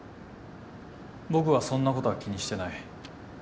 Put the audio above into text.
僕はそんなことは気にしてない。